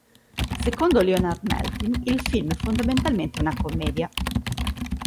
Secondo Leonard Maltin il film è fondamentalmente una commedia.